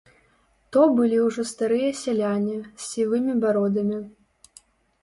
То былі ўжо старыя сяляне, з сівымі бародамі.